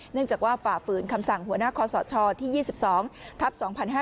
เนื่องจากว่าฝ่าฝืนคำสั่งหัวหน้าคอสชที่๒๒ทัพ๒๕๕๙